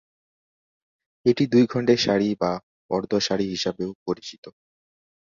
এটি "দুই খণ্ডের শাড়ি" বা "অর্ধ শাড়ি" হিসাবেও পরিচিত।